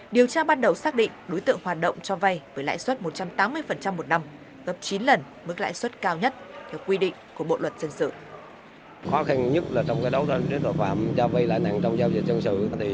điều tra ban đầu xác định đối tượng hoạt động cho vay với lãi suất một trăm tám mươi một năm gấp chín lần mức lãi suất cao nhất theo quy định của bộ luật dân sự